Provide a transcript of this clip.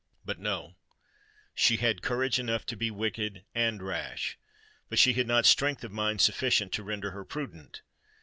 But, no—she had courage enough to be wicked and rash; but she had not strength of mind sufficient to render her prudent.